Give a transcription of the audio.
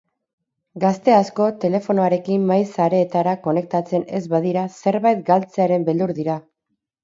Gazte asko telefonoarekin maiz sareetara konektatzen ez badira zerbait galtzearen beldur dira.